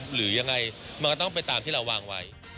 หรือยังไงมันก็ต้องไปตามที่เราวางไว้